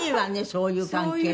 そういう関係って。